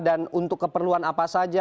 dan untuk keperluan apa saja